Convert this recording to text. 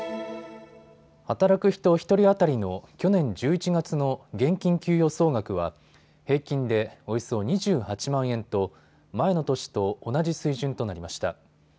働く人１人当たりの去年１１月の現金給与総額は平均でおよそ２８万円と前の年と同じ水準となりました。